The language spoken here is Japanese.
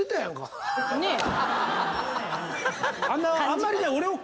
あんまりね俺を。